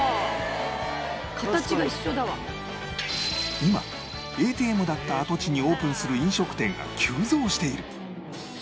今 ＡＴＭ だった跡地にオープンする飲食店が急増している